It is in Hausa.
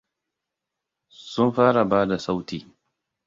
Sun fara bada sauti.